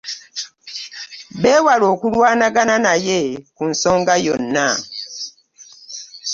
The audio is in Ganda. Beewale okulwanagan naye ku nsonga yonna